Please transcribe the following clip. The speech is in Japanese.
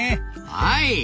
はい。